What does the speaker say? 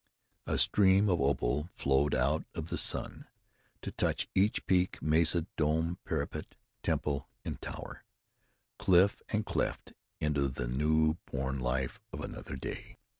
A stream of opal flowed out of the sun, to touch each peak, mesa, dome, parapet, temple and tower, cliff and cleft into the new born life of another day.